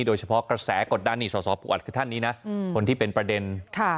โดยเฉพาะกระแสกดดันนี่สสปูอัดคือท่านนี้นะคนที่เป็นประเด็น